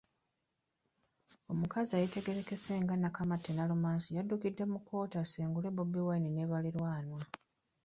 Omukazi eyategeerekese nga Nakamatte Namusisi yaddukidde mu kkooti asengule Bobi Wine ne balirwana .